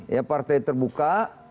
ya partai terbuka